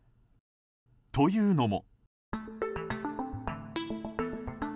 というのも。